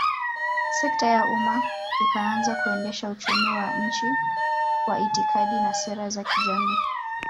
Sekta ya umma ikaanza kuendesha uchumi wa nchi Kwa itikadi na sera za kijamaa